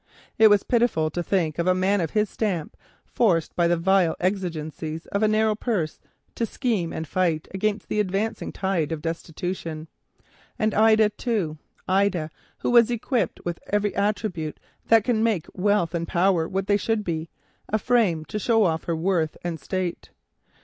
It was pitiful to think of a man of his stamp forced by the vile exigencies of a narrow purse to scheme and fight against the advancing tide of destitution. And Ida, too,—Ida, who was equipped with every attribute that can make wealth and power what they should be—a frame to show off her worth and state.